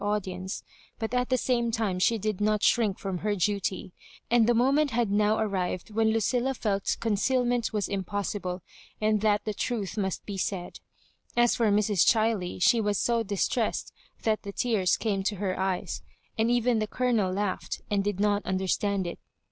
audience, but at the same time she did not shrink from her duty; and the moment had now ar rived when Lucilla felt concealment was impos sible, and that the tmth must be said. As for Mrs. Chiley, she was so distressed that the tears came to her eyes ; and oven the Colonel Digitized by VjOOQIC 134 MISS MAEJOKIBANEa laughed, and did not understand it.